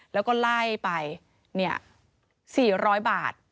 แล้วก็ไล่ไป๔๐๐บาท